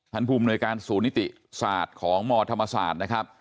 ภูมิหน่วยการศูนย์นิติศาสตร์ของมธรรมศาสตร์นะครับ